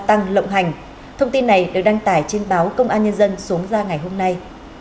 thông tin này được đăng tải trên báo công an nhân dân xuống ra ngày hôm nay